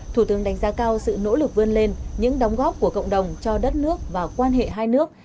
thủ tướng đánh giá cao sự nỗ lực vươn lên những đóng góp của cộng đồng cho đất nước và quan hệ hai nước